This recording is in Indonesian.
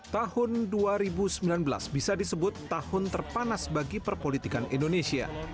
tahun dua ribu sembilan belas bisa disebut tahun terpanas bagi perpolitikan indonesia